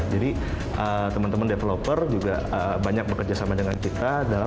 jadi teman teman developer juga banyak bekerjasama dengan kita